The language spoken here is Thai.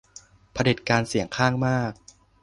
เผด็จการเสียงข้างมาก